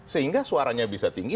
sehingga suaranya bisa tinggi